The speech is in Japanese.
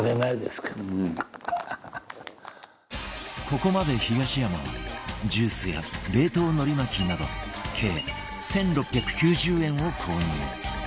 ここまで東山はジュースや冷凍海苔巻きなど計１６９０円を購入